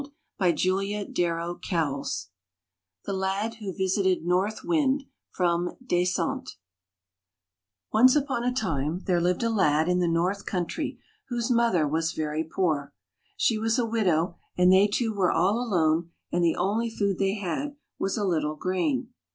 [ 116 ] THE LAD WHO VISITED NORTH WIND O NCE upon a time there lived a lad in the north country whose mother was very poor. She was a widow, and they two were all alone and the only food they had was a little grain.